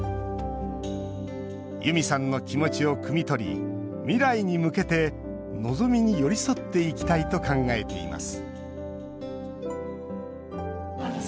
ユミさんの気持ちをくみ取り未来に向けて望みに寄り添っていきたいと考えています